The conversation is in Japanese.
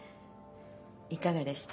いかがでした？